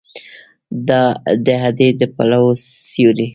د ادې د پلو سیوری